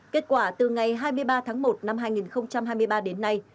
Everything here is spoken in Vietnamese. kết quả từ ngày hai mươi ba tháng một năm hai nghìn hai mươi ba đến nay